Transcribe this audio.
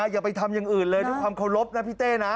อย่าไปทำอย่างอื่นเลยด้วยความเคารพนะพี่เต้นะ